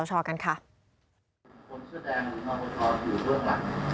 คนเชื้อแดงมคอยู่เพิ่มหลัง